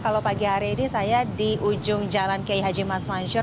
kalau pagi hari ini saya di ujung jalan kiai haji mas mansur